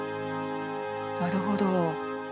なるほど。